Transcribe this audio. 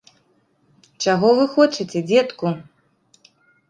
Чаго ж вы хочаце, дзедку?